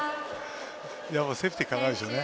セーフティー考えるでしょうね。